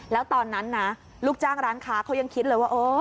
แล้วตอนนั้นนะลูกจ้างร้านค้าเขายังคิดเลยว่า